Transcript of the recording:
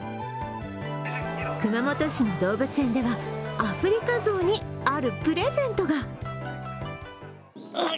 熊本市の動物園ではアフリカゾウにあるプレゼントが。